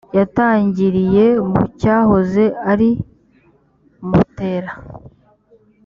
yatangiriye mu cyahoze ari mutera